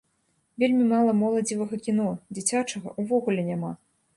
Вельмі мала моладзевага кіно, дзіцячага ўвогуле няма.